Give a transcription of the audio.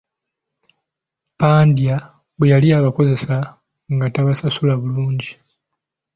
Pandya bwe yali abakozesa, nga tabasasula bulungi.